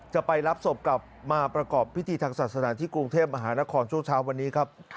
จะไปรับศพกลับมาประกอบพิธีทางศาสนาที่กรุงเทพมหานครช่วงเช้าวันนี้ครับ